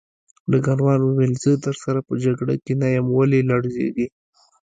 ډګروال وویل زه درسره په جګړه کې نه یم ولې لړزېږې